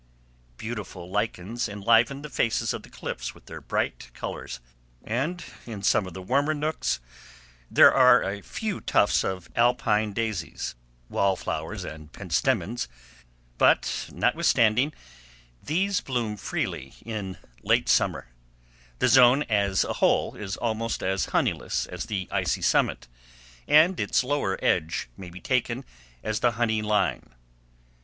Beautiful lichens enliven the faces of the cliffs with their bright colors, and in some of the warmer nooks there are a few tufts of alpine daisies, wall flowers and pentstemons; but, notwithstanding these bloom freely in the late summer, the zone as a whole is almost as honeyless as the icy summit, and its lower edge may be taken as the honey line.